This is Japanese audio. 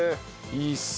いいっすね。